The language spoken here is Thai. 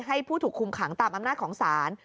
ให้ผู้ถูกคุมขังตามอำนาจของศาล